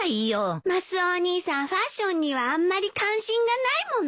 マスオお兄さんファッションにはあんまり関心がないものね。